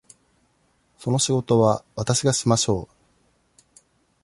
その仕事はわたしがしましょう。